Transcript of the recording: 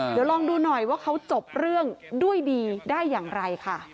เดี๋ยวลองดูหน่อยว่าเขาจบเรื่องด้วยดีได้อย่างไรค่ะ